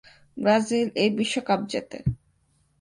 Brazil এই বিশ্বকাপ জেতে।